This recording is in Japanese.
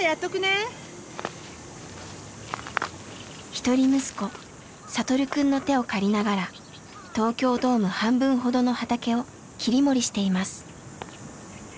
一人息子聖くんの手を借りながら東京ドーム半分ほどの畑を切り盛りしています。